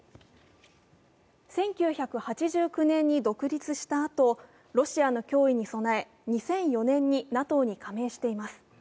１９８９年に独立したあとロシアの脅威に備え２００４年にＮＡＴＯに加盟しています。